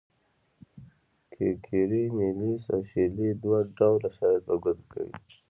کیکیري، نیلیس او شیرلي دوه ډوله شرایط په ګوته کوي.